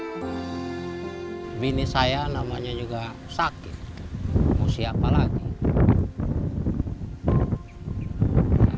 udin juga harus menghidupi satu anaknya yang masih duduk di bangku sekolah dasar